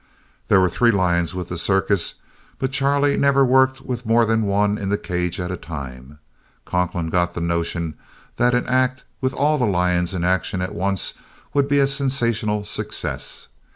There were three lions with the circus, but Charlie never worked with more than one in the cage at the time. Conklin got the notion that an act with all the lions in action at once would be a sensational success.